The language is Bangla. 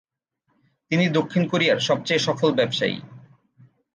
তিনি দক্ষিণ কোরিয়ার সবচেয়ে সফল ব্যবসায়ী।